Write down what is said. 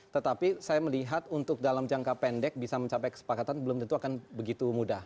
tetapi saya melihat untuk dalam jangka pendek bisa mencapai kesepakatan belum tentu akan begitu mudah